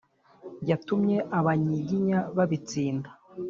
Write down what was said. yatumye abanyiginya babitsinda.